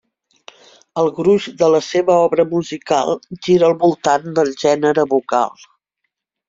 El gruix de la seva obra musical gira al voltant del gènere vocal.